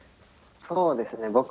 そうですね